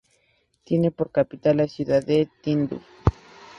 Tiene por capital la ciudad de Tinduf.